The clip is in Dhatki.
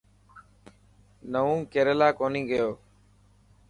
نون ڪيريلا ڪونهي گيو.